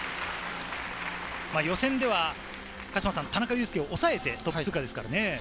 予選では田中佑典を抑えてトップ通過ですからね。